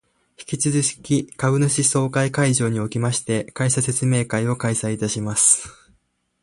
引き続き株主総会会場におきまして、会社説明会を開催いたします